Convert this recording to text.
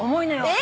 え！